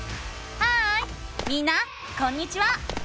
ハーイみんなこんにちは！